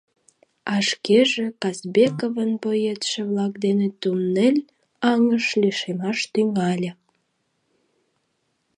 А шкеже Казбековын боецше-влак дене туннель аҥыш лишемаш тӱҥале.